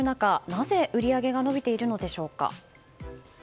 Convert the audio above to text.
なぜ、売り上げが伸びているのでしょうか。